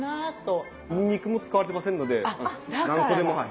にんにくも使われてませんので何個でもはい。